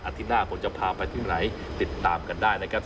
ที่หน้าผมจะพาไปที่ไหนติดตามกันได้นะครับ